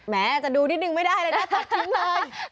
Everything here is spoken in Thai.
อาจจะดูนิดนึงไม่ได้เลยนะตัดทิ้งเลย